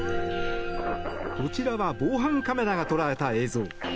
こちらは防犯カメラが捉えた映像。